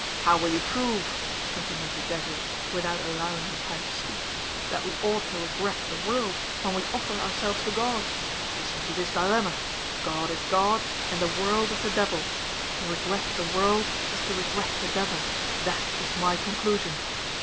"How will you prove," continued the Jesuit, without allowing him time to speak, "that we ought to regret the world when we offer ourselves to God? Listen to this dilemma: God is God, and the world is the devil. To regret the world is to regret the devil; that is my conclusion."